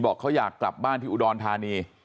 แล้วตามหายาดของแม่ลูกคู่นี้